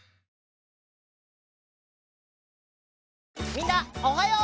みんなおはよう！